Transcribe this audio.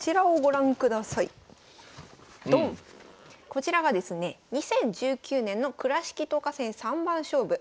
こちらがですね２０１９年の倉敷藤花戦三番勝負。